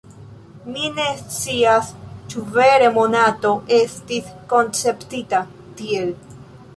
Mi ne scias, ĉu vere Monato estis konceptita tiel.